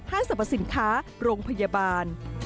สรรพสินค้าโรงพยาบาล